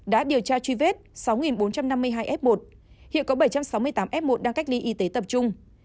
đã điều tra truy vết sáu bốn trăm năm mươi hai f một hiện có bảy trăm sáu mươi tám f một đang cách ly y tế tập trung